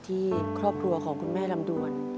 ที่ครอบครัวของคุณแม่ลำดวน